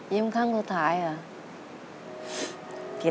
ยิ้มขั้นสุดท้ายเหรอ